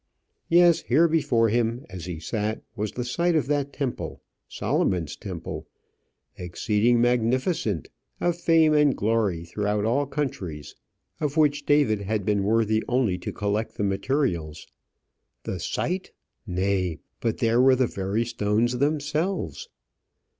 Yes; here before him as he sat was the site of that temple, Solomon's temple, "exceeding magnificent, of fame and glory throughout all countries," of which David had been worthy only to collect the materials. The site! nay, but there were the very stones themselves.